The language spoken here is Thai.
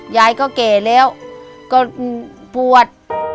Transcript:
ยายก็แก่แล้วก็ปวด